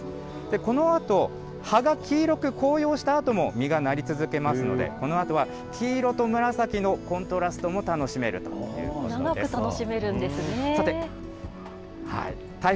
このあと、葉が黄色く紅葉したあとも、実がなり続けますので、このあとは黄色と紫のコントラストも楽しめるということです。